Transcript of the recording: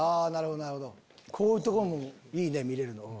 こういうとこもいいね見れるの。